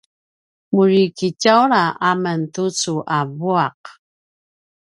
muri kitjaula amen tucu a vuaq